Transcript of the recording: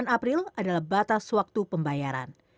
sembilan april adalah batas waktu pembayaran